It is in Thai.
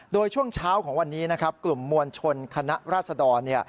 โดยช่วงเช้าของวันนี้นะครับกลุ่มมวลชนคณะราษดร